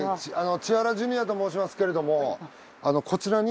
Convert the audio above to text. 千原ジュニアと申しますけれどもこちらに。